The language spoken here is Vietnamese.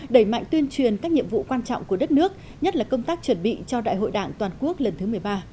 đẩy mạnh tuyên truyền các nhiệm vụ quan trọng của đất nước nhất là công tác chuẩn bị cho đại hội đảng toàn quốc lần thứ một mươi ba